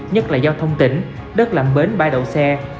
nhất là giao thông tỉnh đất làm bến bãi đậu xe